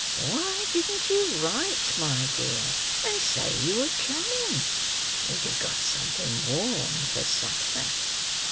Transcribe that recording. Why didn't you write, my dear, and say you were coming? We'd have got something warm for supper."